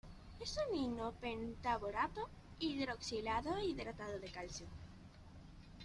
Es un ino-pentaborato hidroxilado e hidratado de calcio.